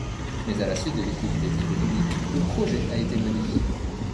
Mais à la suite de difficultés économiques, le projet a été modifié.